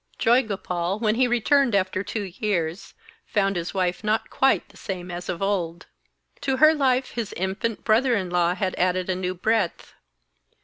Joygopal, when he returned after two years, found his wife not quite the same as of old. To her life his infant brother in law had added a new breadth.